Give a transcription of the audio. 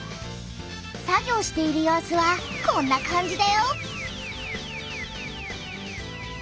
作業している様子はこんな感じだよ。